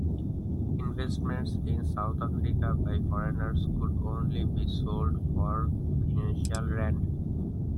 Investments in South Africa by foreigners could only be sold for financial rand.